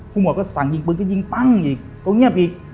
หมวดก็สั่งยิงปืนก็ยิงปั้งอีกก็เงียบอีก